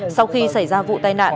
sau khi xảy ra vụ tai nạn